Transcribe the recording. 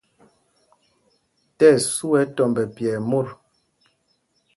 Tí ɛsu ɛ tɔmb nɛ pyɛɛ mot.